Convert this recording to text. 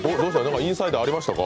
インサイダーありましたか？